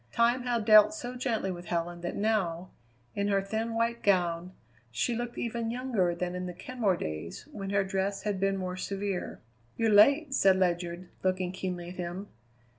Time had dealt so gently with Helen that now, in her thin white gown, she looked even younger than in the Kenmore days, when her dress had been more severe. "You're late," said Ledyard, looking keenly at him.